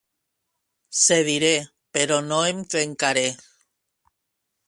Cediré, però no em trencaré.